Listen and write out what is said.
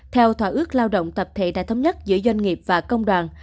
theo thỏa ước lao động tập thể đã thống nhất giữa doanh nghiệp và công đoàn